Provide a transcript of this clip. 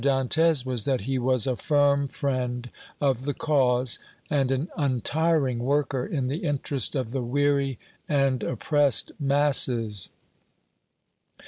Dantès was that he was a firm friend of the cause and an untiring worker in the interest of the weary and oppressed masses.